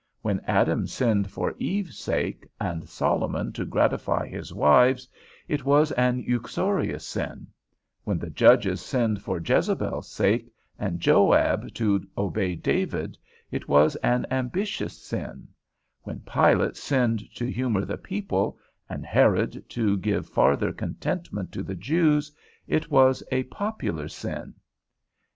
When Adam sinned for Eve's sake, and Solomon to gratify his wives, it was an uxorious sin; when the judges sinned for Jezebel's sake, and Joab to obey David, it was an ambitious sin; when Pilate sinned to humour the people, and Herod to give farther contentment to the Jews, it was a popular sin.